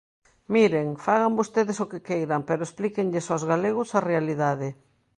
Miren, fagan vostedes o que queiran, pero explíquenlles aos galegos a realidade.